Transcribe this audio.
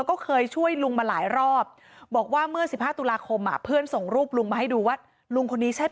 ก็เคยช่วยลุงมาหลายรอบบอกว่าเมื่อ๑๕ตุลาคมอ่ะเพื่อนส่งรูปลุงมาให้ดูว่าลุงคนนี้ใช่